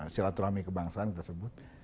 silaturahmi kebangsaan kita sebut